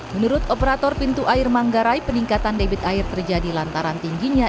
menurut operator pintu air manggarai peningkatan debit air terjadi lantaran tingginya